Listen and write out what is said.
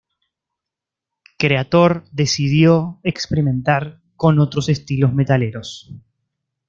Kreator decidió experimentar con otros estilos metaleros.